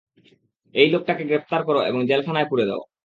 এই লোকটাকে গ্রেফতার কর, এবং জেলখানায় পুরে দাও।